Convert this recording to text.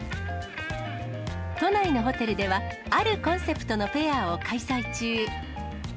都内のホテルでは、あるコンセプトのフェアを開催中。